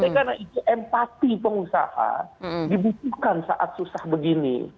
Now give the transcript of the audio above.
karena itu empati pengusaha dibutuhkan saat susah begini